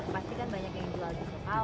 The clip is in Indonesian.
pasti kan banyak yang jual jenis kaos